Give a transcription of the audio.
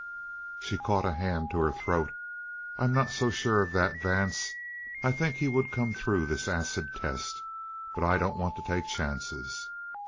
She caught a hand to her throat. "I'm not so sure of that, Vance. I think he would come through this acid test. But I don't want to take chances."